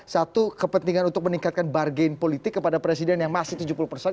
satu kepentingan untuk meningkatkan bargain politik kepada presiden yang masih tujuh puluh persen